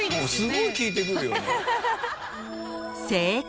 すごい聞いてくるよね。